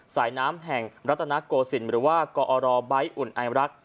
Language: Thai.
สายน้ำแห่งรัตนโกสินหรือว่ากรบอุ่นอายมรัก